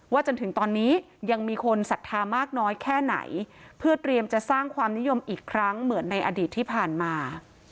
จนถึงตอนนี้ยังมีคนศรัทธามากน้อยแค่ไหนเพื่อเตรียมจะสร้างความนิยมอีกครั้งเหมือนในอดีตที่ผ่านมา